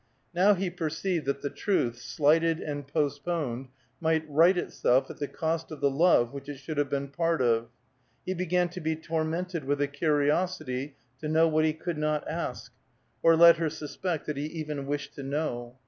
Now he perceived that the truth, slighted and postponed, must right itself at the cost of the love which it should have been part of. He began to be tormented with a curiosity to know what he could not ask, or let her suspect that he even wished to know.